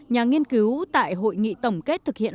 nhà nghiên cứu tại hội nghị tổng kết thực hiện